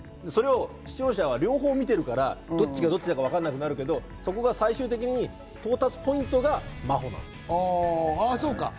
それを視聴者は両方見てるから、どっちがどっちだかわかんなくなるけど、そこが最終的に到達ポイントが真帆なんですよ。